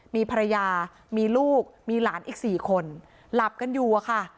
มีภรรยามีลูกมีหลานอีก๔คนหลับกันอยู่อะค่ะ